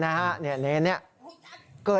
สายลูกไว้อย่าใส่